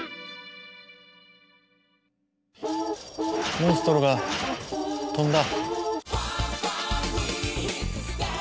モンストロが飛んだ。